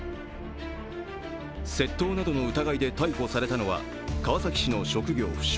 窃盗などの疑いで逮捕されたのは、川崎市の職業不詳